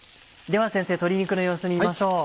では先生鶏肉の様子見ましょう。